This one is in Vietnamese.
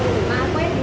cái này nhẹt hả